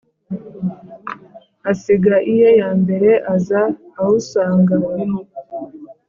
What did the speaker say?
Asiga iye ya mbere aza awusanga!